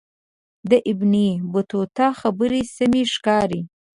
د ابن بطوطه خبرې سمې ښکاري.